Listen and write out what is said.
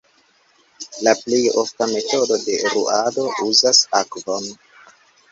La plej ofta metodo de ruado uzas akvon.